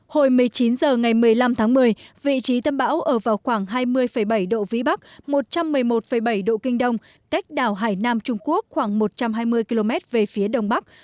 hồi một mươi chín h ngày một mươi năm tháng một mươi vị trí tâm bão ở vào khoảng hai mươi bảy độ vĩ bắc một trăm một mươi một bảy độ kinh đông cách đảo hải nam trung quốc khoảng một trăm hai mươi km về phía đông bắc